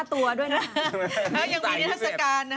ถ้ายังมีนิทราศกาลนะคะ